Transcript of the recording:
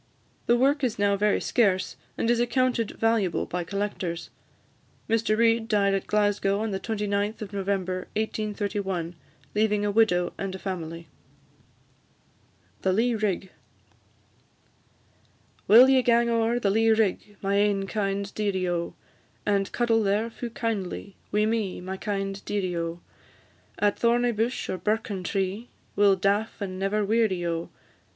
The work is now very scarce, and is accounted valuable by collectors. Mr Reid died at Glasgow, on the 29th of November 1831, leaving a widow and a family. THE LEA RIG. Will ye gang o'er the lea rig, My ain kind dearie, O! And cuddle there fu' kindly Wi' me, my kind dearie, O! At thorny bush, or birken tree, We 'll daff and never weary, O!